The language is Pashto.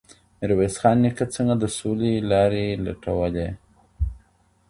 ميرويس خان نيکه څنګه د سولې لاري لټولې؟